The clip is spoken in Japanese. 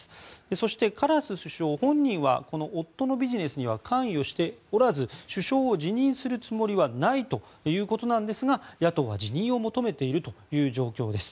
そして、カラス首相本人はこの夫のビジネスには関与しておらず首相を辞任するつもりはないということなんですが野党は辞任を求めているという状況です。